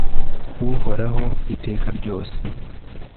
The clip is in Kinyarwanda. uhoraho, iteka ryose